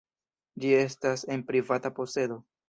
Ĝi estas en privata posedo.